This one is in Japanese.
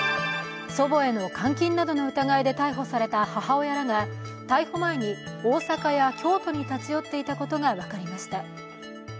祖母への監禁などの疑いで逮捕された母親らが逮捕前に大阪や京都に立ち寄っていたことが分かりました。